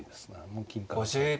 もう金かな。